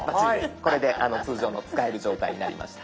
これで通常の使える状態になりました。